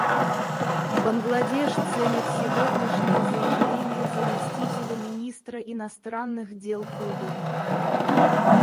Бангладеш ценит сегодняшнее заявление заместителя министра иностранных дел Кубы.